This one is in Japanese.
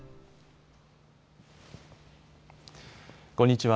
こんにちは。